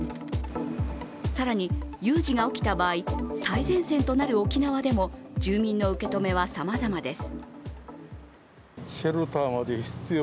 更に有事が起きた場合、最前線となる沖縄でも住民の受け止めはさまざまです。